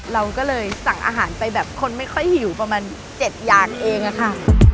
เราก็เลยสั่งอาหารไปแบบคนไม่ค่อยหิวประมาณ๗อย่างเองอะค่ะ